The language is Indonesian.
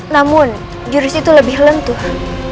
namun jurus itu lebih lentuh